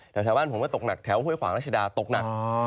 แถวบ้านผมก็ตกหนักแถวห้วยขวางรัชดาตกหนัก